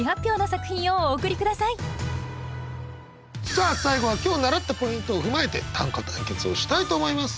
さあ最後は今日習ったポイントを踏まえて短歌対決をしたいと思います。